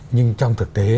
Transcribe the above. nhưng trong thực tế